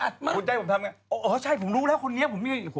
คุณได้ได้ผมทำไงอ่อใช่ผมรู้แล้วคนนี้ผมมี